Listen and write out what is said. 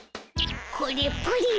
これプリン